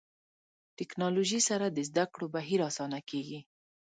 ټکنالوژي سره د زده کړو بهیر اسانه کېږي.